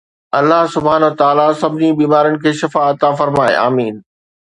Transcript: الله سبحانه وتعالي سڀني بيمارن کي شفا عطا فرمائي، آمين